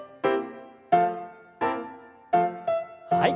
はい。